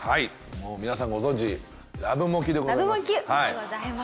もう皆さんご存じラブモキュでございます。